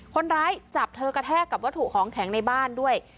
คนร้ายจับเธอกระแทกกับวัตถุของแข็งในบ้านด้วย